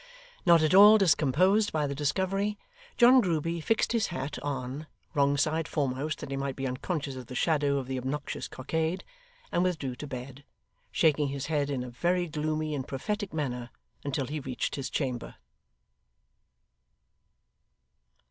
Not at all discomposed by the discovery, John Grueby fixed his hat on, wrongside foremost that he might be unconscious of the shadow of the obnoxious cockade, and withdrew to bed; shaking his head in a very gloomy and prophetic manner until he reached his chamber.